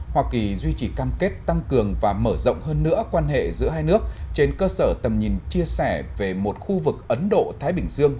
hoa kỳ duy trì cam kết tăng cường và mở rộng hơn nữa quan hệ giữa hai nước trên cơ sở tầm nhìn chia sẻ về một khu vực ấn độ thái bình dương